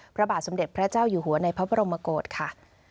พระบาทสมเด็จพระเจ้าอยู่หัวในพระบรมโกศค่ะ